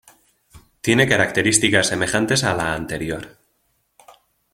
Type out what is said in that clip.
Tiene características semejantes a la anterior.